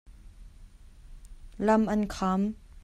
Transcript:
Lam an kham.